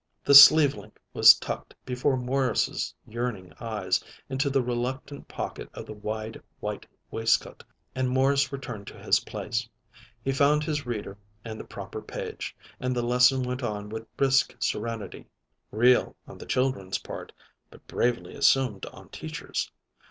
The sleeve link was tucked, before Morris's yearning eyes, into the reluctant pocket of the wide white waistcoat, and Morris returned to his place. He found his reader and the proper page, and the lesson went on with brisk serenity; real on the children's part, but bravely assumed on Teacher's.